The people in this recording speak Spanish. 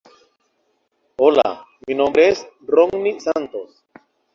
Educar a los jóvenes significó su pasión, y orgullo.